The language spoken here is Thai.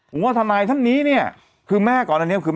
ผมว่าทนายท่านนี้เนี่ยคือแม่ก่อนอันนี้คือ